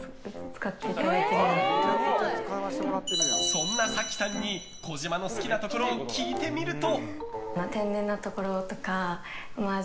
そんな咲希さんに児嶋の好きなところを聞いてみると。